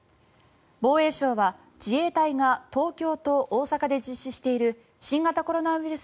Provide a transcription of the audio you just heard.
防衛省は、自衛隊が東京と大阪で実施している新型コロナウイルス